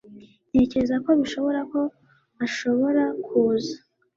Ntekereza ko bishoboka ko ashobora kuza